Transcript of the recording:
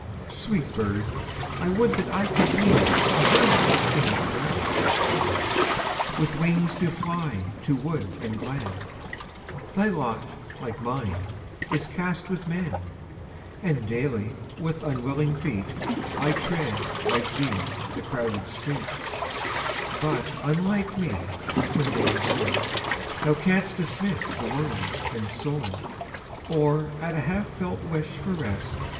a (89) Sweet bird ! I would that I could be A hermit in the crowd like thee ! With wings to fly to wood and glen, Thy lot, like mine, is .cast with men; And daily, with unwilling feet, 1 tread, like thee, the crowded street ; But, unlike me, when day is o'er. Thou canst dismiss the world and soar, Or, at a half felt wish for rest.